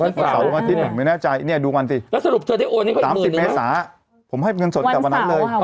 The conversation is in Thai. วันเสาร์แล้วไม่แน่ใจนี่ดูวันสิวันเสาร์วันเท้า